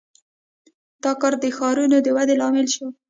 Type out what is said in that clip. • دا کار د ښارونو د ودې لامل شو.